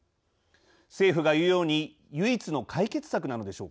政府がいうように唯一の解決策なのでしょうか。